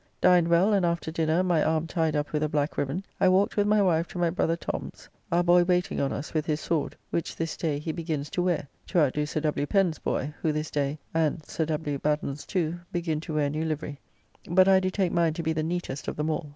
Dined well, and after dinner, my arm tied up with a black ribbon, I walked with my wife to my brother Tom's; our boy waiting on us with his sword, which this day he begins to wear, to outdo Sir W. Pen's boy, who this day, and Six W. Batten's too, begin to wear new livery; but I do take mine to be the neatest of them all.